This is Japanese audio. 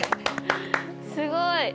すごい！